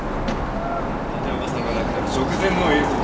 立岡さんが亡くなる直前の映像だ。